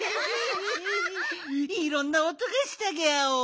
いろんなおとがしたギャオ。